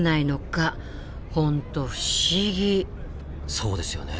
そうですよね。